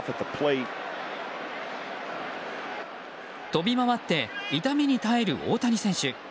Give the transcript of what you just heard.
飛び回って痛みに耐える大谷選手。